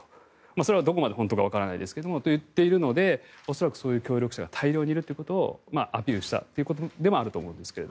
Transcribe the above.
それはどこまで本当かわからないですがそう言っているので恐らく、そういう協力者が大量にいるということをアピールしたということでもあると思いますが。